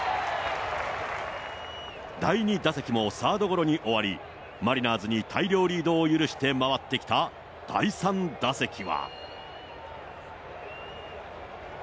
第２打席もサードゴロに終わり、マリナーズに大量リードを許して回ってきた第３打席は。